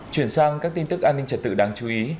chuyển sang các tin tức an ninh trật tự đáng chú ý